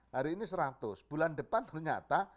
hari ini seratus bulan depan ternyata